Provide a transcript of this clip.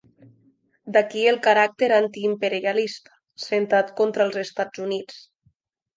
D'aquí el caràcter antiimperialista, centrat contra els Estats Units.